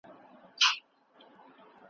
بیروزګاري په مهارتونو له منځه ځي.